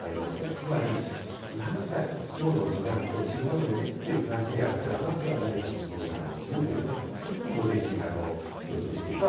つまり、なんかいつもの自分と違うよねって感じがあったらまずは誰かに相談をするという、そこのところ、ぜひ強調していきたい。